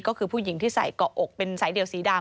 ก็คือผู้หญิงที่ใส่เกาะอกเป็นสายเดี่ยวสีดำ